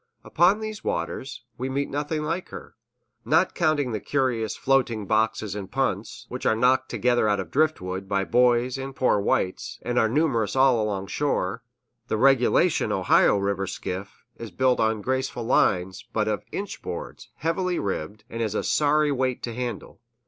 Upon these waters, we meet nothing like her. Not counting the curious floating boxes and punts, which are knocked together out of driftwood, by boys and poor whites, and are numerous all along shore, the regulation Ohio river skiff is built on graceful lines, but of inch boards, heavily ribbed, and is a sorry weight to handle.